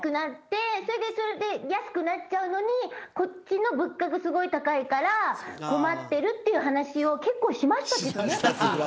安くなっちゃうのにこっちの物価がすごく高いから困っているという話を結構しましたけどね。